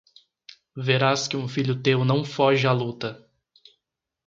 Verás que um filho teu não foge à luta